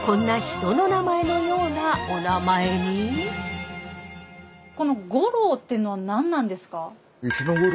しかしこの五郎ってのは何なんですか？